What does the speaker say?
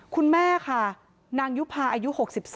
คุณแม่ค่ะนางยุภาอายุ๖๒